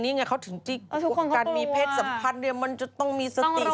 นี่ไงเขาถึงจิ๊กว่าการมีเพศสัมพันธ์เนี่ยมันจะต้องมีสติสตังค์